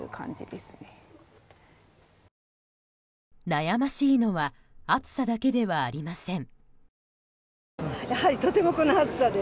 悩ましいのは暑さだけではありません。